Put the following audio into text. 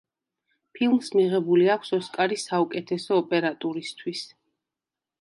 ფილმს მიღებული აქვს ოსკარი საუკეთესო ოპერატურისთვის.